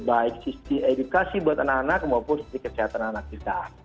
baik sisi edukasi buat anak anak maupun sisi kesehatan anak kita